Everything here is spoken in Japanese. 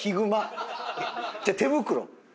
手袋！